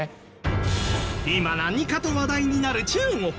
今何かと話題になる中国。